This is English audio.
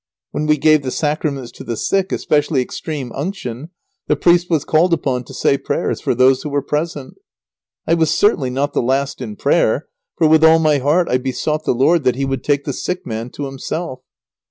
When we gave the Sacraments to the sick, especially extreme unction, the priest was called upon to say prayers for those who were present. I was certainly not the last in prayer, for with all my heart I besought the Lord that He would take the sick man to Himself.